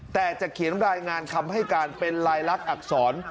แต่จะเขียนรายงานคำให้การเป็นลายลักษณอักษร